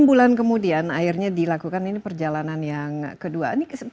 enam bulan kemudian akhirnya dilakukan ini perjalanan yang kedua